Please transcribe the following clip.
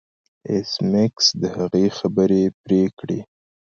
ایس میکس د هغې خبرې پرې کړې